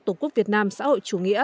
tổ quốc việt nam xã hội chủ nghĩa